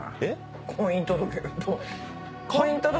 「婚姻届の」